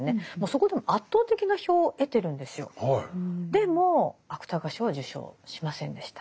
でも芥川賞は受賞しませんでした。